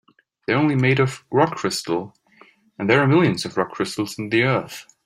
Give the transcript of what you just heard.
They're only made of rock crystal, and there are millions of rock crystals in the earth.